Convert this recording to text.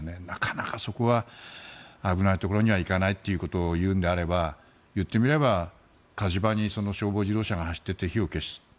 なかなか危ないところには行かないということを言うのであれば言ってみれば、火事場に消防自動車が走って行って火を消す。